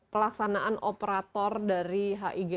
pelaksanaan operator dari hig